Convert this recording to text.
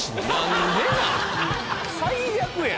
最悪や。